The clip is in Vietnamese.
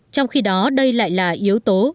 trong khi đó đây lại là yếu tố